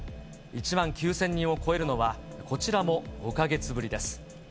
１万９０００人を超えるのは、こちらも５か月ぶりです。